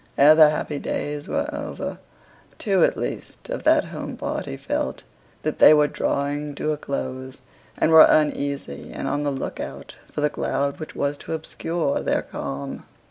Ere the happy days were over, two at least of that home party felt that they were drawing to a close; and were uneasy, and on the look out for the cloud which was to obscure their calm.